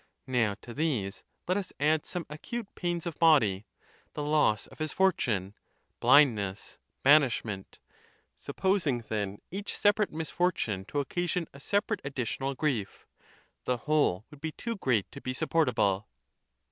Now, to these let us add some acute pains of body, the loss of his fortune, blindness, banishment. Supposing, then, each separate misfortune to occasion a separate additional grief, the whole would be too great to be supportable.